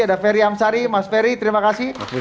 ada ferry amsari mas ferry terima kasih